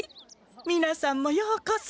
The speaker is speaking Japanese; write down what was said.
みなさんもようこそ。